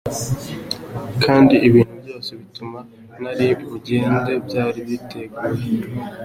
Kandi ibintu byose bituma nari bugende byari biteguye.